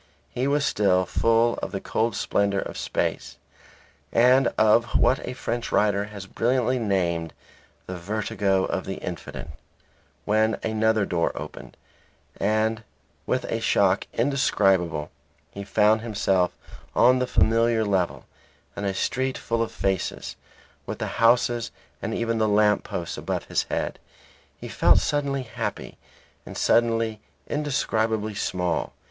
He was still full of the cold splendour of space, and of what a French writer has brilliantly named the "vertigo of the infinite," when another door opened, and with a shock indescribable he found himself on the familiar level, in a street full of faces, with the houses and even the lamp posts above his head. He felt suddenly happy and suddenly indescribably small.